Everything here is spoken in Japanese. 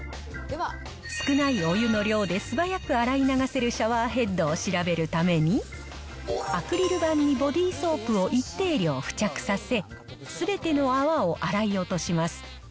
少ないお湯の量で素早く洗い流せるシャワーヘッドを調べるために、アクリル板にボディーソープを一定量付着させ、すべての泡を洗い落とします。